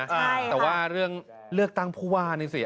แต่ว่าเรื่องเลือกตั้งผู้ว่านี่สิ